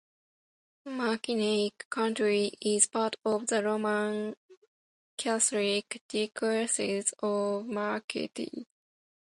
Mackinac County is part of the Roman Catholic Diocese of Marquette.